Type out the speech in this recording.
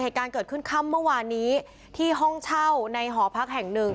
เหตุการณ์เกิดขึ้นค่ำเมื่อวานนี้ที่ห้องเช่าในหอพักแห่งหนึ่ง